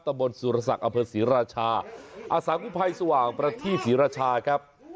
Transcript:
ตะบนสุรศักดิ์อเผิดศรีราชาอาสากู้ไพสว่างประที่ศรีราชาครับ